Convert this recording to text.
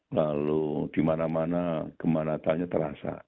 lalu dimana mana kemah natalnya terasa